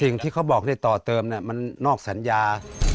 เขาบอกได้ต่อเติมมันนอกสัญญา